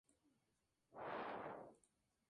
Es muy típica en la cocina rumana.